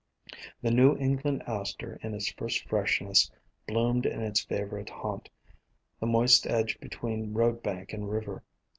The New England Aster in its first freshness bloomed in its favorite haunt, the moist edge between road bank and river.